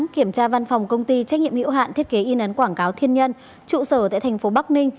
kiểm tra văn phòng công ty trách nhiệm hiệu hạn thiết kế in ấn quảng cáo thiên nhân trụ sở tại thành phố bắc ninh